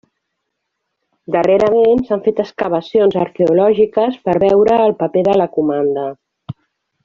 Darrerament s'han fet excavacions arqueològiques per veure el paper de la comanda.